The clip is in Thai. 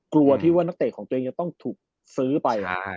กลัวที่ว่านักเตะของตัวเองจะต้องถูกซื้อไป